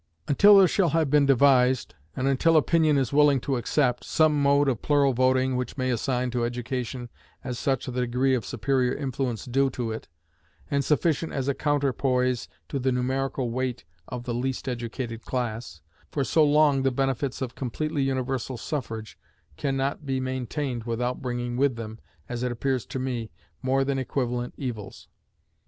Until there shall have been devised, and until opinion is willing to accept, some mode of plural voting which may assign to education as such the degree of superior influence due to it, and sufficient as a counterpoise to the numerical weight of the least educated class, for so long the benefits of completely universal suffrage can not be obtained without bringing with them, as it appears to me, more than equivalent evils.